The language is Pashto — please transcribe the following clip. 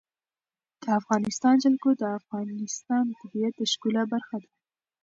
د افغانستان جلکو د افغانستان د طبیعت د ښکلا برخه ده.